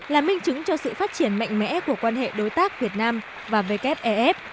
là minh chứng cho sự phát triển mạnh mẽ của quan hệ đối tác việt nam và wef